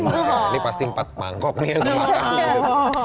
ini pasti empat mangkok nih yang dimakan